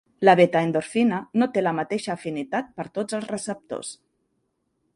La β-endorfina no té la mateixa afinitat per tots els receptors.